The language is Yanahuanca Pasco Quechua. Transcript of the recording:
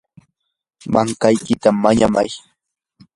mankaykita mañamay.